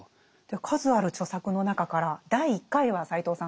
数ある著作の中から第１回は斎藤さん